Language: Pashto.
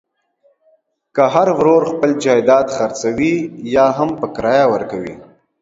که هر ورور خپل جایداد خرڅوي یاهم په کرایه ورکوي.